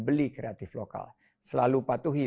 beli kreatif lokal selalu patuhi